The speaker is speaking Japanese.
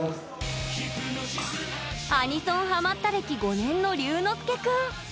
アニソンハマった歴５年のりゅうのすけ君。